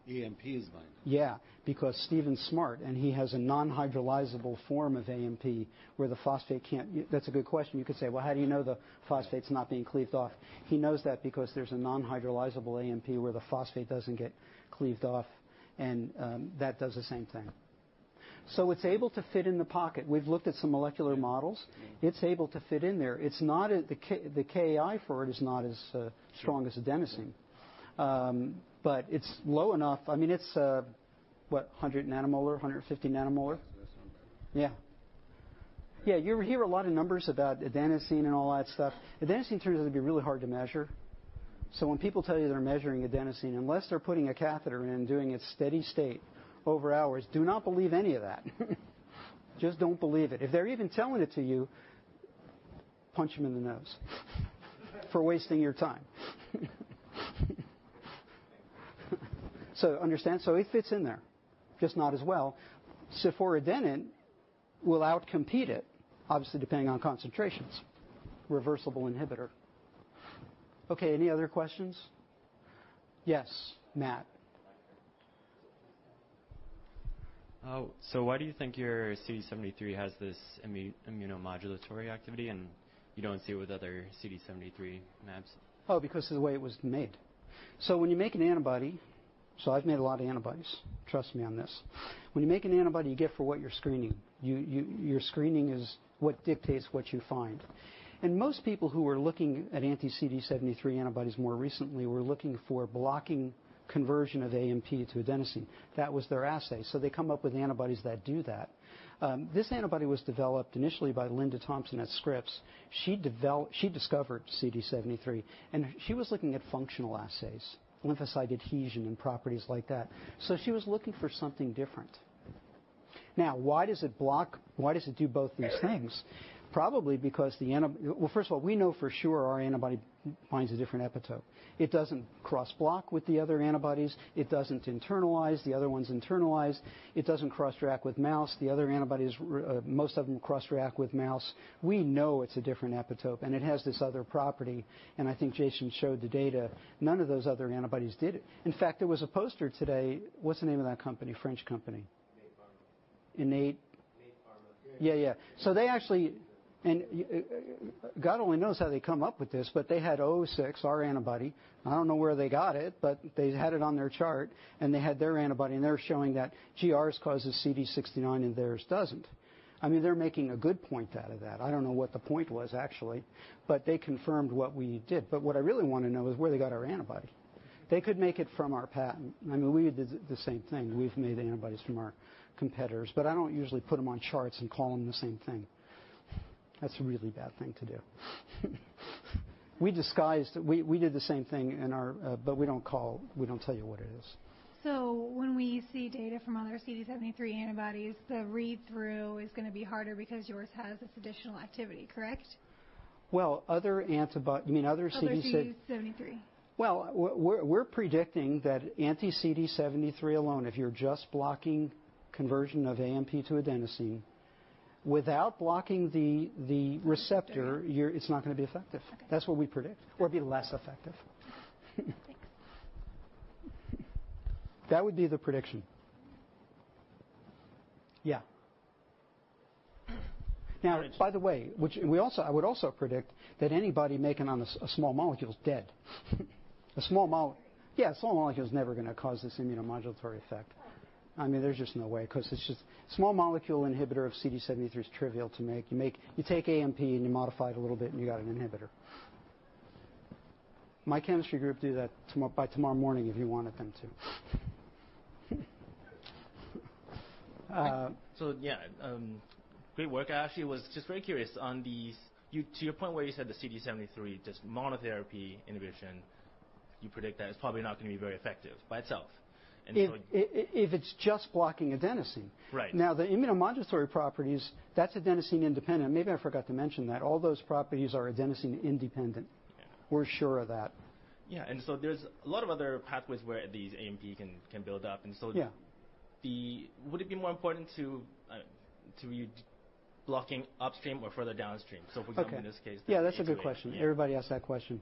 AMP is binding. Yeah, because Stephen's smart, he has a non-hydrolyzable form of AMP where the phosphate can't. That's a good question. You could say, "Well, how do you know the phosphate's not being cleaved off?" He knows that because there's a non-hydrolyzable AMP where the phosphate doesn't get cleaved off, that does the same thing. It's able to fit in the pocket. We've looked at some molecular models. It's able to fit in there. The Ki for it is not as strong as adenosine. It's low enough. It's what? 100 nanomolar, 150 nanomolar? Yeah, that sounds right. Yeah. Yeah, you hear a lot of numbers about adenosine and all that stuff. Adenosine turns out to be really hard to measure. When people tell you they're measuring adenosine, unless they're putting a catheter in and doing it steady state over hours, do not believe any of that. Just don't believe it. If they're even telling it to you, punch them in the nose for wasting your time. Understand, so it fits in there, just not as well. ciforadenant will outcompete it, obviously, depending on concentrations. Reversible inhibitor. Okay, any other questions? Yes, Matt. Oh, why do you think your CD73 has this immunomodulatory activity, and you don't see it with other CD73 mAbs? Because of the way it was made. I've made a lot of antibodies. Trust me on this. When you make an antibody, you get for what you're screening. Your screening is what dictates what you find. Most people who are looking at anti-CD73 antibodies more recently were looking for blocking conversion of AMP to adenosine. That was their assay. They come up with antibodies that do that. This antibody was developed initially by Linda Thompson at Scripps. She discovered CD73, and she was looking at functional assays, lymphocyte adhesion, and properties like that. She was looking for something different. Why does it do both these things? First of all, we know for sure our antibody binds a different epitope. It doesn't cross-block with the other antibodies. It doesn't internalize. The other one's internalized. It doesn't cross-react with mouse. The other antibodies, most of them cross-react with mouse. We know it's a different epitope, and it has this other property, and I think Jason showed the data. None of those other antibodies did it. In fact, there was a poster today. What's the name of that company, French company? Innate Pharma. Innate Pharma. Yeah. God only knows how they come up with this, they had 006, our antibody. I don't know where they got it, they had it on their chart, and they had their antibody, and they were showing that, "Gee, ours causes CD69 and theirs doesn't." They're making a good point out of that. I don't know what the point was actually, they confirmed what we did. What I really want to know is where they got our antibody. They could make it from our patent. We did the same thing. We've made antibodies from our competitors, but I don't usually put them on charts and call them the same thing. That's a really bad thing to do. We did the same thing. We don't tell you what it is. When we see data from other CD73 antibodies, the read-through is going to be harder because yours has this additional activity, correct? Well, you mean other CD7. Other CD73. Well, we're predicting that anti-CD73 alone, if you're just blocking conversion of AMP to adenosine, without blocking the receptor- Receptor it's not going to be effective. Okay. That's what we predict. It'd be less effective. Thanks. That would be the prediction. Yeah. By the way, I would also predict that anybody making it on a small molecule is dead. Sorry. Yeah, a small molecule is never going to cause this immunomodulatory effect. There's just no way because a small molecule inhibitor of CD73 is trivial to make. You take AMP, and you modify it a little bit, and you've got an inhibitor. My chemistry group would do that by tomorrow morning if you wanted them to. Yeah. Great work. I actually was just very curious on these. To your point where you said the CD73 just monotherapy inhibition, you predict that it's probably not going to be very effective by itself. If it's just blocking adenosine. Right. Now, the immunomodulatory properties, that's adenosine independent. Maybe I forgot to mention that. All those properties are adenosine independent. Yeah. We're sure of that. Yeah. There's a lot of other pathways where these AMP can build up. Yeah. Would it be more important to you blocking upstream or further downstream? For example, in this case, the A2A. Yeah, that's a good question. Everybody asks that question.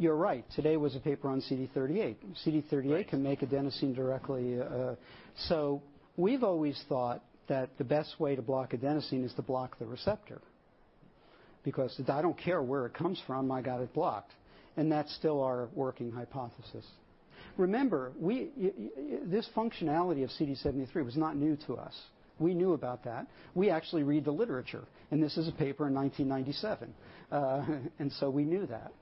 You're right. Today was a paper on CD38. Right can make adenosine directly. We've always thought that the best way to block adenosine is to block the receptor because I don't care where it comes from, I got it blocked, and that's still our working hypothesis. Remember, this functionality of CD73 was not new to us. We knew about that. We actually read the literature, and this is a paper in 1997 and so we knew that.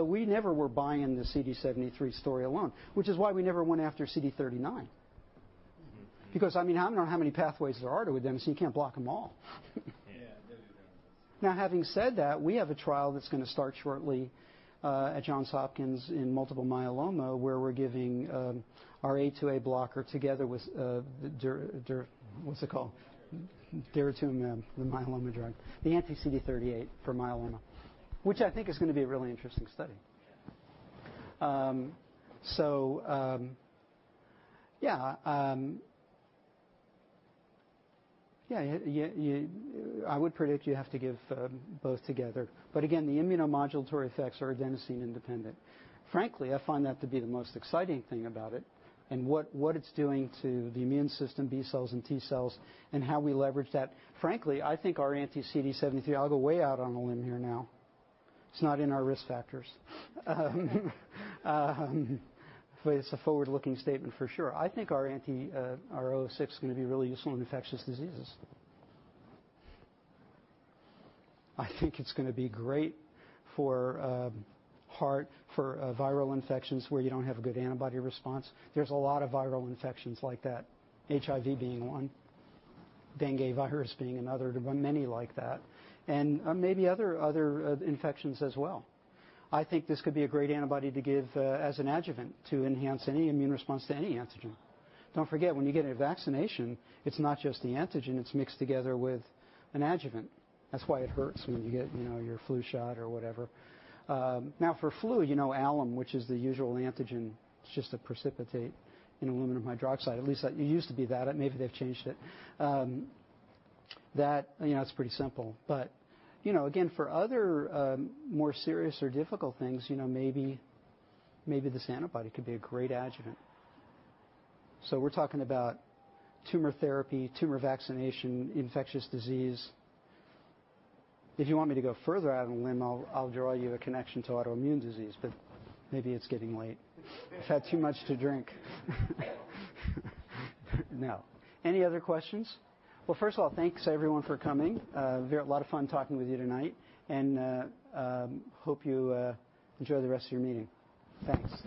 We never were buying the CD73 story alone, which is why we never went after CD39. Because I don't know how many pathways there are to adenosine. You can't block them all. Yeah, no, you don't. Having said that, we have a trial that's going to start shortly at Johns Hopkins in multiple myeloma, where we're giving our A2A blocker together with, what's it called? daratumumab, the myeloma drug. The anti-CD38 for myeloma, which I think is going to be a really interesting study. Yeah. Yeah. I would predict you have to give both together. Again, the immunomodulatory effects are adenosine independent. Frankly, I find that to be the most exciting thing about it and what it's doing to the immune system, B cells and T cells, and how we leverage that. Frankly, I think our anti-CD73, I'll go way out on a limb here now. It's not in our risk factors. It's a forward-looking statement for sure. I think our 006 is going to be really useful in infectious diseases. I think it's going to be great for viral infections where you don't have a good antibody response. There's a lot of viral infections like that, HIV being one, dengue virus being another. There are many like that, and maybe other infections as well. I think this could be a great antibody to give as an adjuvant to enhance any immune response to any antigen. Don't forget, when you get a vaccination, it's not just the antigen. It's mixed together with an adjuvant. That's why it hurts when you get your flu shot or whatever. For flu, alum, which is the usual antigen. It's just a precipitate, an aluminum hydroxide. At least it used to be that. Maybe they've changed it. That's pretty simple. Again, for other more serious or difficult things, maybe this antibody could be a great adjuvant. We're talking about tumor therapy, tumor vaccination, infectious disease. If you want me to go further out on a limb, I'll draw you a connection to autoimmune disease, but maybe it's getting late. I've had too much to drink. No. Any other questions? Well, first of all, thanks, everyone, for coming. A lot of fun talking with you tonight, and hope you enjoy the rest of your meeting. Thanks.